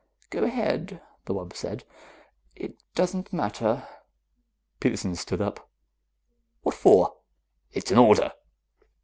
"Go ahead," the wub said. "It doesn't matter." Peterson stood up. "What for?" "It's an order."